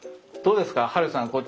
どうですかハルさん